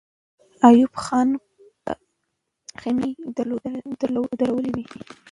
ایوب خان به خېمې درولې وې.